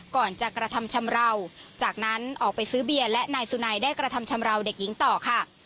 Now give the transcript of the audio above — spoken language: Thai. ก่อนจะกระทำชำราวจากนั้นออกไปซื้อเบียร์และนายสุนัยได้กระทำชำราวเด็กหญิงต่อค่ะ